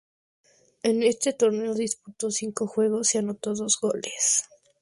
En este torneo disputó cinco juegos y anotó dos goles.